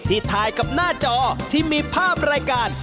ถ่ายกับหน้าจอที่มีภาพรายการ